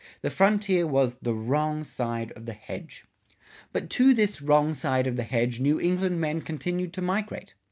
The frontier was "the Wrong side of the Hedge." But to this "wrong side of the hedge" New England men continued to migrate.